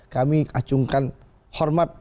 kami acungkan hormat